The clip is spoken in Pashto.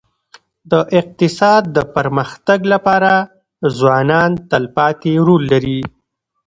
د اقتصاد د پرمختګ لپاره ځوانان تلپاتې رول لري.